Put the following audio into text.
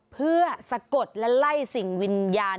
เพื่อสะกดและไล่สิ่งวิญญาณ